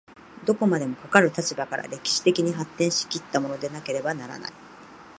どこまでもかかる立場から歴史的に発展し来ったものでなければならない。